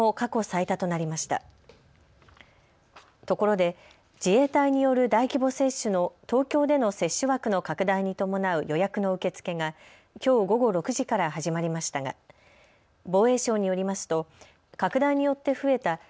ところで、自衛隊による大規模接種の東京での接種枠の拡大に伴う予約の受け付けがきょう午後６時から始まりましたが防衛省によりますと拡大によって増えた